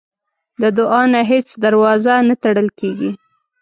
د دعا نه هیڅ دروازه نه تړل کېږي.